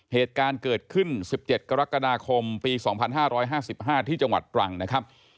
เหตุการณ์เกิดขึ้น๑๗กรกฎาคมปี๒๕๕๕ที่จังหวัดตรังนะครับ